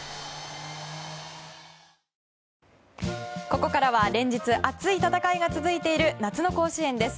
ここからは連日熱い戦いが続いている夏の甲子園です。